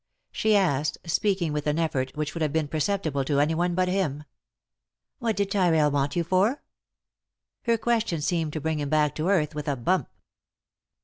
She asked, speaking with an effort which would have been perceptible to any one but him : "What did Tynell want you for ?" Her question seemed to bring him back to earth with a bump.